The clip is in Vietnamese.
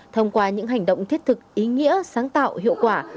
thông qua những hành động thiết thực ý nghĩa sáng tạo hiệu quả